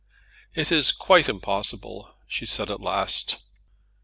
"It is quite impossible," she said at last.